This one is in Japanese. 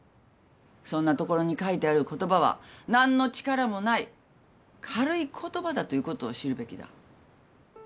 そんなところに書いてある言葉は何の力もない軽い言葉だということを知るべきだ。